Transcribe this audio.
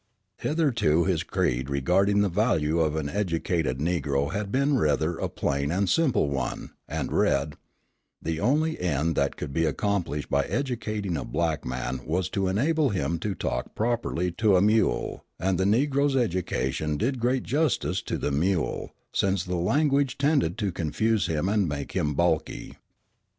Hitherto his creed regarding the value of an educated Negro had been rather a plain and simple one, and read: "The only end that could be accomplished by educating a black man was to enable him to talk properly to a mule; and the Negro's education did great injustice to the mule, since the language tended to confuse him and make him balky."